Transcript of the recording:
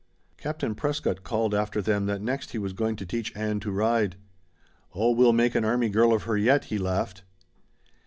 Captain Prescott called after them that next he was going to teach Ann to ride. "Oh, we'll make an army girl of her yet," he laughed.